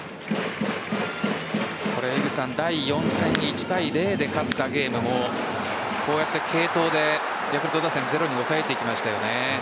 これは第４戦１対０で勝ったゲームもこうやって継投でヤクルト打線をゼロに抑えていきましたよね。